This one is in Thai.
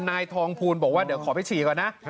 นายทองภูลบอกว่าเดี๋ยวขอไปฉี่ก่อนนะ